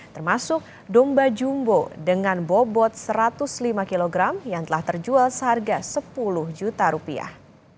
termasuk domba jumbo dengan bobot satu ratus lima kg yang telah terjual seharga sepuluh juta rupiah